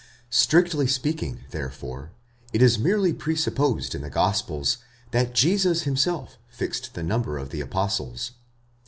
Strictly speaking, therefore, it is merely presupposed in the gospels, that 'Jesus himself fixed the number of the apostles.